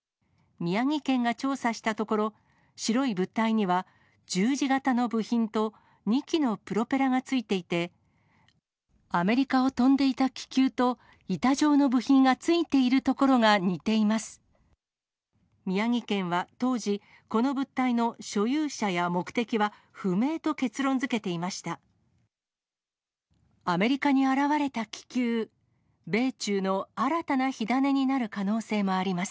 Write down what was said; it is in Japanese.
宮城県が調査したところ、白い物体には、十字型の部品と、２基のプロペラがついていて、アメリカを飛んでいた気球と板状の部品がついているところが似ています。